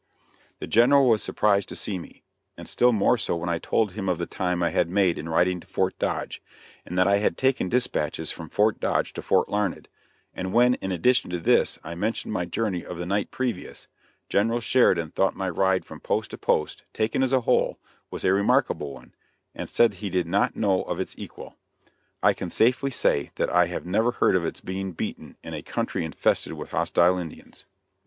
The General was surprised to see me, and still more so when I told him of the time I had made in riding to Fort Dodge, and that I had taken dispatches from Fort Dodge to Fort Larned; and when, in addition to this, I mentioned my journey of the night previous, General Sheridan thought my ride from post to post, taken as a whole, was a remarkable one, and he said that he did not know of its equal. I can safely say that I have never heard of its being beaten in a country infested with hostile Indians.